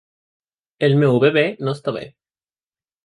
El meu bebè no està bé.